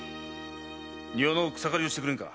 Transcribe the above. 庭の草刈りをしてくれんか？